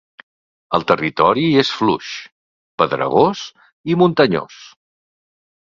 El territori és fluix, pedregós i muntanyós.